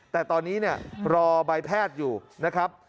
แต่ตอนนี้เนี่ยรอใบแพทย์อยู่นะครับ